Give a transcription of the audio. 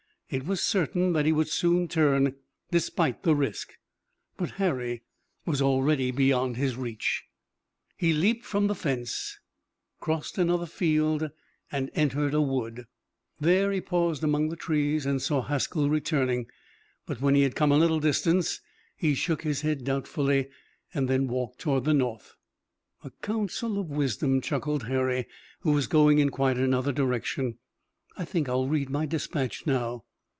It was certain that he would soon turn, despite the risk, but Harry was already beyond his reach. He leaped from the fence, crossed another field and entered a wood. There he paused among the trees and saw Haskell returning. But when he had come a little distance, he shook his head doubtfully, and then walked toward the north. "A counsel of wisdom," chuckled Harry, who was going in quite another direction. "I think I'll read my dispatch now."